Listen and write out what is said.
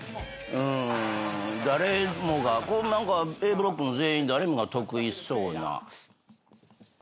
誰もがここ何かＡブロックの全員誰もが得意そうな。